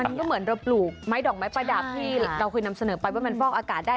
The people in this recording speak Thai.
มันก็เหมือนเราปลูกไม้ดอกไม้ประดับที่เราเคยนำเสนอไปว่ามันฟอกอากาศได้